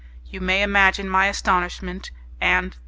You may imagine my astonishment and...